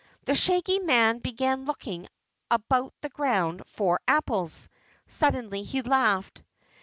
The Shaggy Man began looking about the ground for apples. Suddenly he laughed.